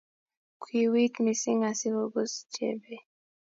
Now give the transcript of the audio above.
kiwiit missing asigombus Chebet